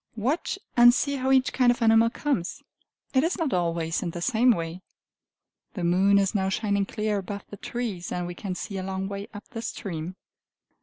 Watch and see how each kind of animal comes; it is not always in the same way. The moon is now shining clear above the trees, and we can see a long way up the stream.